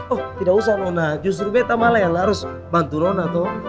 oh tidak usah nona justru bete malah yang harus bantu nona toh